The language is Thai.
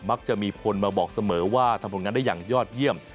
มักจะมีคนมาบอกเสมอว่าทำผลงานได้อย่างยอดเยี่ยม